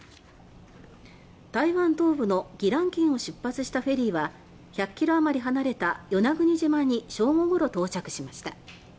台湾東部の宜蘭県を出発したフェリーは１００ｋｍあまり離れた与那国島に正午ごろ到着しました。